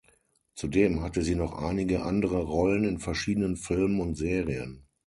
Zudem hatte sie noch einige andere Rollen in verschiedenen Filmen und Serien.